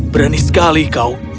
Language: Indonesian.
berani sekali kau